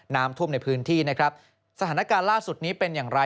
น้ำท่วมในพื้นที่นะครับสถานการณ์ล่าสุดนี้เป็นอย่างไร